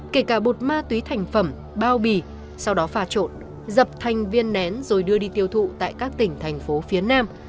kể cả bột ma túy thành phẩm bao bì sau đó pha trộn dập thành viên nén rồi đưa đi tiêu thụ tại các tỉnh thành phố phía nam